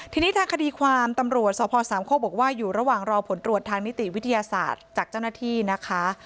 ทีนี้ทางคดีความตำรวจสพสามโคกบอกว่าอยู่ระหว่างรอผลตรวจทางนิติวิทยาศาสตร์จากเจ้าหน้าที่นะคะ